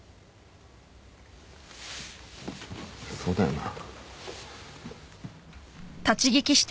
そうだよな。